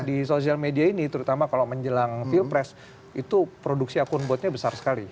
di sosial media ini terutama kalau menjelang pilpres itu produksi akun botnya besar sekali